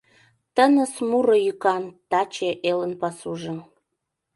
Тыныс муро йӱкан Таче элын пасужо.